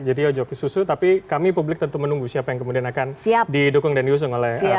jadi ya jokersusu tapi kami publik tentu menunggu siapa yang kemudian akan didukung dan diusung oleh psi